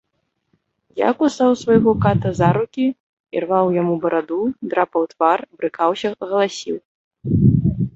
Я кусаў свайго ката за рукі, ірваў яму бараду, драпаў твар, брыкаўся, галасіў.